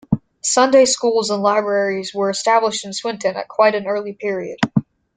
Sunday schools and libraries were established in Swinton at quite an early period.